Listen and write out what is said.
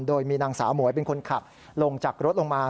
โดยมีนางสาวหมวยเป็นคนขับลงจากรถลงมา